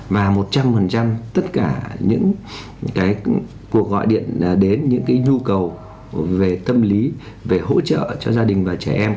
mà một trăm linh tất cả những cái cuộc gọi điện đến những cái nhu cầu về tâm lý về hỗ trợ cho gia đình và trẻ em